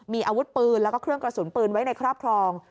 มีอาวุธปืนแล้วก็เครื่องกระสุนปืนไว้ในครอบครอง